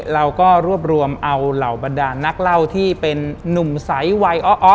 เราก็รวบรวมเอาเหล่าบรรดานนักเล่าที่เป็นนุ่มใสวัยอ้อ